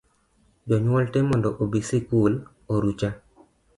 Jonyuol tee mondo obi sikul orucha